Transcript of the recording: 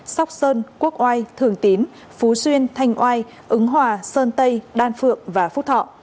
sóc sơn quốc oai thường tín phú xuyên thanh oai ứng hòa sơn tây đan phượng và phúc thọ